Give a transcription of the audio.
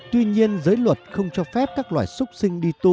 tuy nhiên giới luật no cho phép các loài súc sinh đi tu